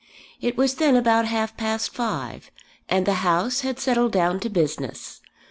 It was then about half past five, and the House had settled down to business.